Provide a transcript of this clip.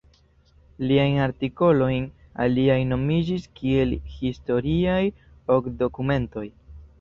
Liajn artikolojn aliaj nomigis kiel Historiaj Ok Dokumentoj.